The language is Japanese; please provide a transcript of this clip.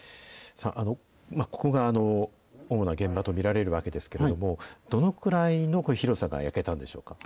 ここが主な現場と見られるわけですけれども、どのくらいの広さが焼けたんでしょうか。